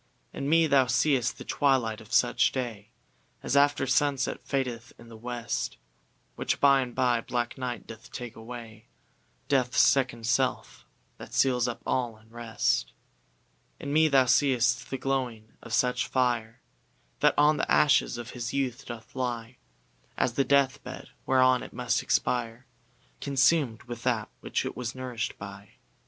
In me thou seeŌĆÖst the twilight of such day As after sunset fadeth in the west; Which by and by black night doth take away, DeathŌĆÖs second self, that seals up all in rest. In me thou seeŌĆÖst the glowing of such fire, That on the ashes of his youth doth lie, As the death bed, whereon it must expire, ConsumŌĆÖd with that which it was nourishŌĆÖd by.